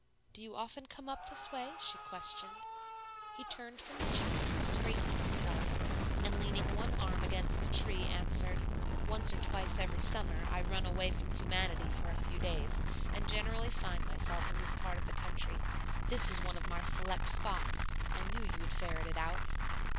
"Do you often come up this way?" she questioned. He turned from the child, straightened himself, and leaning one arm against the tree, answered, "Once or twice every summer I run away from humanity for a few days, and generally find myself in this part of the country. This is one of my select spots. I knew you would ferret it out."